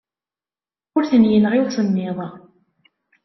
Ur ten-yenɣi usemmiḍ.